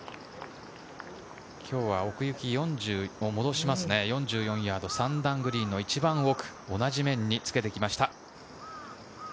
今日は奥行き４４ヤード、３段グリーンの一番奥、同じ面につけてきました。